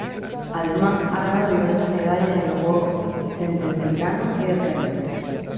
Además, ha ganado diversas medallas en los Juegos Centroamericanos y del Caribe.